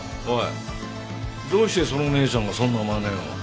おいどうしてその姉ちゃんがそんな真似を？